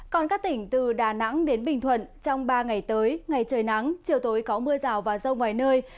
còn các tỉnh từ đà nẵng đến bình thuận trong ba ngày tới ngày trời nắng chiều tối có mưa rào và rông vài nơi